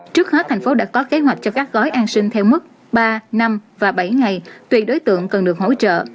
trước hết thành phố đã có kế hoạch cho các gói an sinh theo mức ba năm và bảy ngày tùy đối tượng cần được hỗ trợ